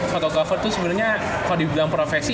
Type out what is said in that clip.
fotografer tuh sebenernya kalo dibilang profesi